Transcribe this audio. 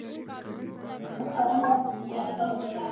که سکاره مې واخیستل بیا زه پوهیږم.